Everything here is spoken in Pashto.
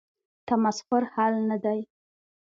تمسخر حل نه دی.